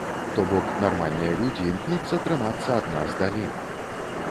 То бок, нармальныя людзі імкнуцца трымацца ад нас далей.